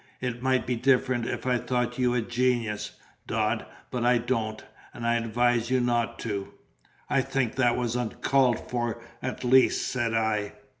It might be different if I thought you a genius, Dodd; but I don't, and I advise you not to." "I think that was uncalled for, at least," said I.